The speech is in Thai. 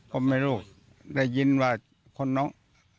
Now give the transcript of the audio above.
ก็ไม่รู้ได้ยินว่าคนน้อง